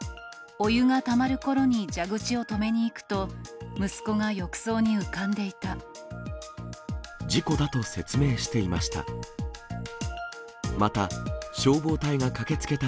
お湯がたまるころに蛇口を止めに行くと、息子が浴槽に浮かんでい事故だと説明していました。